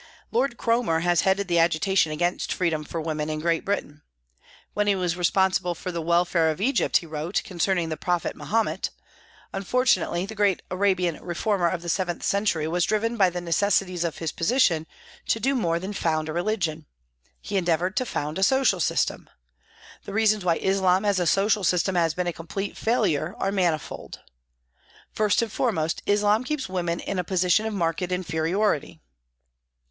Lord Cromer has headed the agitation against freedom for women in Great Britain. When he was responsible for the welfare of Egypt, he wrote, concerning the Prophet Mahomet :" Unfortunately the great Arabian reformer of the seventh century was driven by the necessities of his position to do more than found a religion. He endeavoured to found a social system. The reasons why Islam as a social system has been a complete failure are mani fold. First and foremost Islam keeps women in a position of marked inferiority."